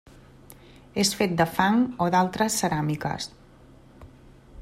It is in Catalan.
És fet de fang o d'altres ceràmiques.